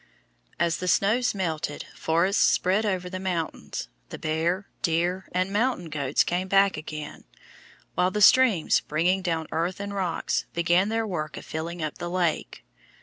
As the snows melted, forests spread over the mountains, the bear, deer, and mountain goats came back again, while the streams, bringing down earth and rocks, began their work of filling up the lake.